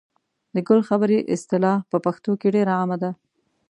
د ګل خبرې اصطلاح په پښتو کې ډېره عامه ده.